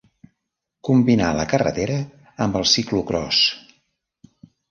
Combinà la carretera amb el ciclocròs.